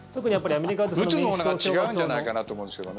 打つものが違うんじゃないかなと思うんですけどね。